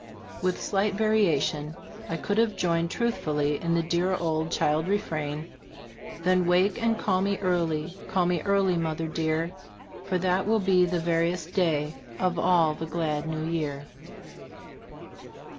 With slight variation I could have joined truthfully in the dear old child re frain : "Then wake and call me early, Call me early, mother dear," For that will be the veriest day "Of all the glad New Year."